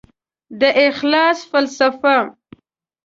د اخلاص فلسفه